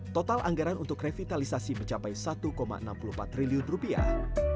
total anggaran untuk revitalisasi mencapai satu enam puluh empat triliun rupiah